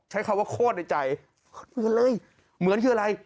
ใช้คำว่าโคตรในใจเหมือนอะไรเหมือนคืออะไร